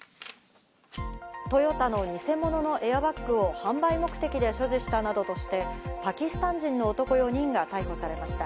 トヨタの偽物のエアバッグを販売目的で所持したなどとして、パキスタン人の男４人が逮捕されました。